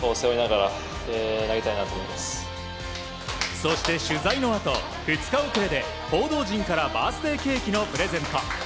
そして、取材のあと２日遅れで報道陣からバースデーケーキのプレゼント。